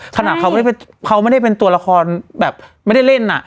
ขนาดเขาไม่ได้เป็นตัวละครแบบไม่ได้เล่นอ่ะ